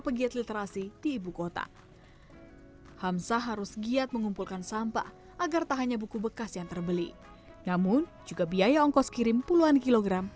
pegiat literasi di ibukota hamzah harus giat mengumpulkan sampah agar tak hanya buku bekas yang terbeli namun juga biaya ongkos kirim puluhan kilogram